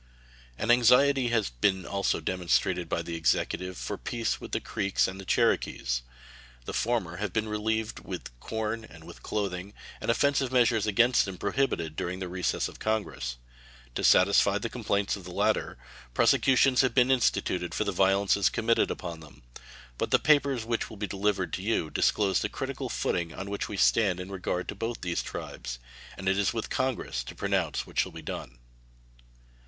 An anxiety has been also demonstrated by the Executive for peace with the Creeks and the Cherokees. The former have been relieved with corn and with clothing, and offensive measures against them prohibited during the recess of Congress. To satisfy the complaints of the latter, prosecutions have been instituted for the violences committed upon them. But the papers which will be delivered to you disclose the critical footing on which we stand in regard to both those tribes, and it is with Congress to pronounce what shall be done.